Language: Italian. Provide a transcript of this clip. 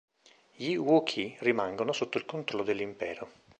Gli Wookiee rimangono sotto il controllo dell'Impero.